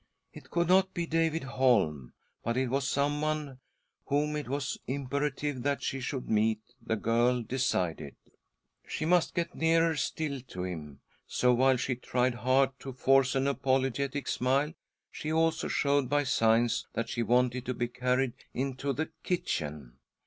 It could not be David Holm, but it was someone whom it was imperative that she should meet, the girl decided. She must get nearer still to him ; so, while she tried hard to • force an apologetic smile, she also showed by signs that she wanted to be carried into io8 THY SOUL SHALL BEAR WITNESS !■ i. the " kitchen.'.'